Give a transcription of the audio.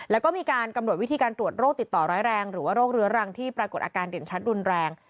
แล้วก็มีการกำหนดวิธีการตรวจโรคติดต่อร้ายแรงหรือว่าโรคเรื้อรังที่ปรากฏอาการเด่นชัดรุนแรง